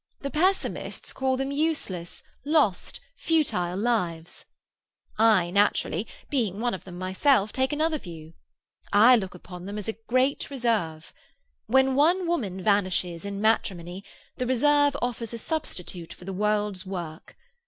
The pessimists call them useless, lost, futile lives. I, naturally—being one of them myself—take another view. I look upon them as a great reserve. When one woman vanishes in matrimony, the reserve offers a substitute for the world's work.